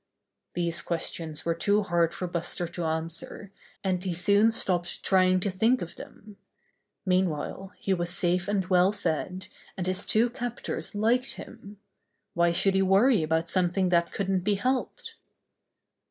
These questions were too hard for Buster to answer, and he soon stopped trying to think of them. Meanwhile, he was safe and well fed, and his two captors liked him. Why should he worry about something that couldn't be helped?